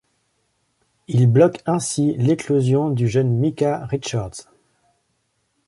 Il bloque ainsi l'éclosion du jeune Micah Richards.